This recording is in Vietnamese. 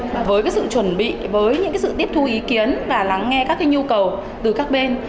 và với cái sự chuẩn bị với những cái sự tiếp thu ý kiến và lắng nghe các cái nhu cầu từ các bên